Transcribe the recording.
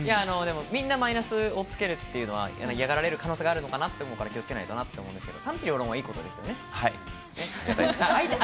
みんなマイナスをつけるっていうのは、やられる可能性があるのかなって思うので、気をつけなきゃなって思うんですけど、賛否両論はいいことですよね。